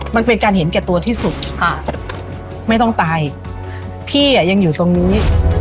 มันเป็นการเห็นแก่ตัวที่สุดค่ะไม่ต้องตายพี่อ่ะยังอยู่ตรงนี้